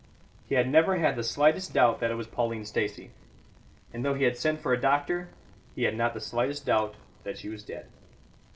He had never had the slightest doubt that it was Pauline Stacey; and, though he had sent for a doctor, he had not the slightest doubt that she was dead.